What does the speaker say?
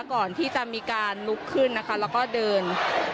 ก่อนที่จะมีการลุกขึ้นนะคะแล้วก็เดิน